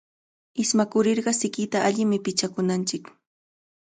Ismakurirqa sikita allimi pichakunanchik.